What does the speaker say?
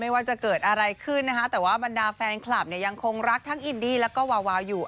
ว่าจะเกิดอะไรขึ้นนะคะแต่ว่าบรรดาแฟนคลับเนี่ยยังคงรักทั้งอินดี้แล้วก็วาวาวอยู่